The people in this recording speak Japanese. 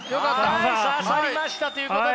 はい刺さりましたということで！